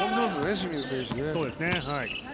清水選手ね。